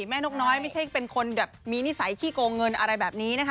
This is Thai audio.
นกน้อยไม่ใช่เป็นคนแบบมีนิสัยขี้โกงเงินอะไรแบบนี้นะคะ